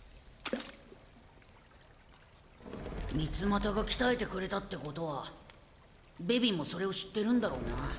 ミツマタが鍛えてくれたってことはベビンもそれを知ってるんだろうな。